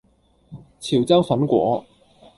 潮州粉果